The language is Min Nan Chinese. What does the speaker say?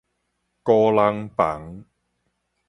孤人房